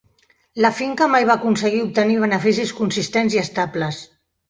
La finca mai va aconseguir obtenir beneficis consistents i estables.